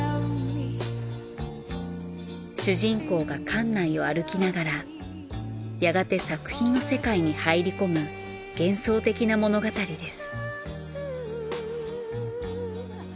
主人公が館内を歩きながらやがて作品の世界に入り込む幻想的な物語です。